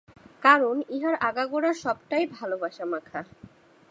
কারণ, ইহার আগাগোড়া সবটাই ভালবাসা-মাখা।